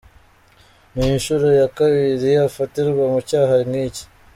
Ni inshuro ya kabiri afatirwa mu cyaha nk’iki.